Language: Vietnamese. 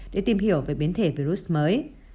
để tìm hiểu về biến thể virus mới